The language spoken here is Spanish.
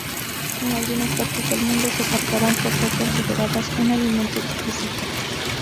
En algunas partes del mundo se capturan por ser consideradas un alimento exquisito.